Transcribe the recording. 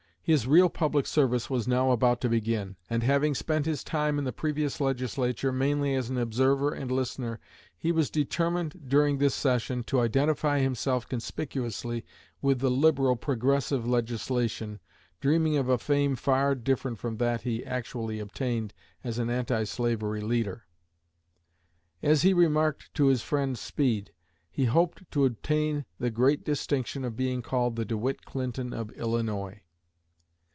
His real public service was now about to begin, and having spent his time in the previous Legislature mainly as an observer and listener he was determined during this session to identify himself conspicuously with the "liberal" progressive legislation, dreaming of a fame far different from that he actually obtained as an anti slavery leader. As he remarked to his friend Speed, he hoped to obtain the great distinction of being called "the De Witt Clinton of Illinois."